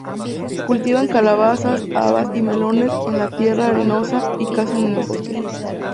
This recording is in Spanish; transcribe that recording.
Cultivan calabazas, habas y melones en la tierra arenosa y cazan en el bosque.